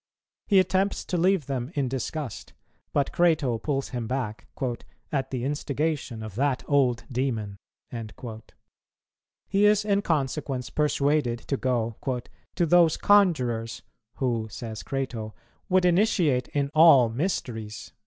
He attempts to leave them in disgust, but Crato pulls him back "at the instigation of that old demon." He is in consequence persuaded to go "to those conjurers," who, says Crato, would "initiate in all mysteries."